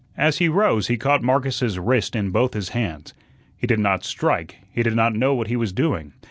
As he rose he caught Marcus's wrist in both his hands. He did not strike, he did not know what he was doing.